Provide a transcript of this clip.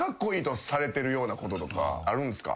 あるんすか？